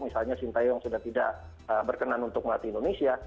misalnya shinta yang sudah tidak berkenan untuk melatih indonesia